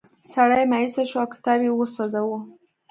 سړی مایوسه شو او کتاب یې وسوځاوه.